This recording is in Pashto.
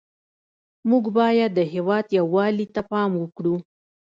موږ باید د هېواد یووالي ته پام وکړو